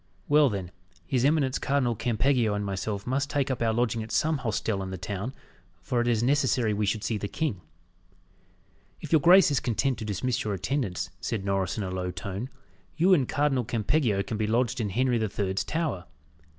Well, then, his eminence Cardinal Campeggio and myself must take up our lodging at some hostel in the town, for it is necessary we should see the king." "If your grace is content to dismiss your attendants," said Norris in a low tone, "you and Cardinal Campeggio can be lodged in Henry the Third's Tower.